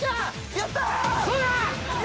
やった！